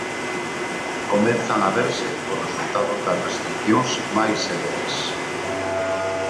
Comezan a verse os resultados das restricións máis severas.